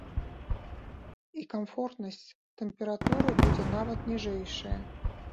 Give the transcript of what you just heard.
І камфортнасць тэмпературы будзе нават ніжэйшая.